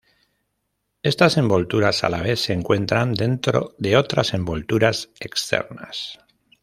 Estas envolturas a la vez se encuentran dentro de otras envolturas externas.